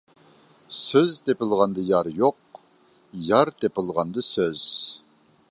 سۆز تېپىلغاندا يار يوق، يار تېپىلغاندا سۆز.